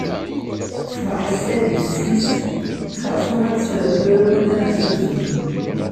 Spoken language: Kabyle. Tefreḥ s tadist-is, xerṣum ad tesɛu tura win ara tezzuzen.